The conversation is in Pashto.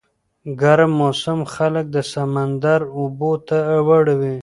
ګرم موسم خلک د سمندر اوبو ته راوړي.